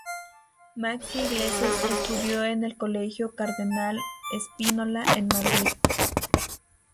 Maxi Iglesias estudió en el colegio Cardenal Spínola, en Madrid.